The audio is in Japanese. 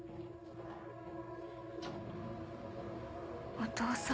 お父さん。